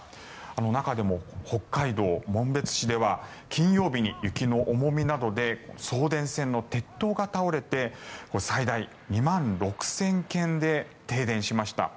中でも北海道紋別市では金曜日に雪の重みなどで送電線の鉄塔が倒れて最大２万６０００軒で停電しました。